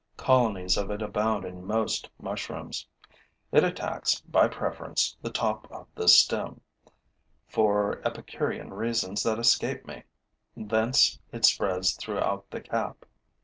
Colonies of it abound in most mushrooms. It attacks by preference the top of the stem, for epicurean reasons that escape me; thence it spreads throughout the cap.